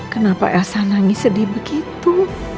kenapa elsa nangis sedih begitu